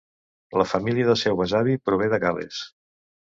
La família del seu besavi prové de Gales.